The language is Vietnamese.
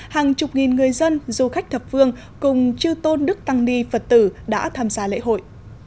hàng chục nghìn người dân du khách thập phương cùng chư tôn đức tăng ni phật tử đã tham gia lễ hội